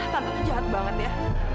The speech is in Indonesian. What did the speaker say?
tante tuh jahat banget ya